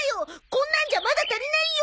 こんなんじゃまだ足りないよ！